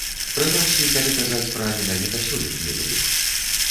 Прынамсі, калі казаць пра менавіта сёлетні грып.